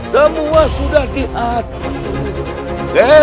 sampai jumpa lagi